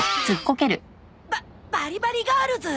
ババリバリガールズ？